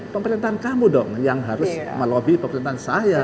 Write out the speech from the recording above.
pemerintahan kamu dong yang harus melobi pemerintahan saya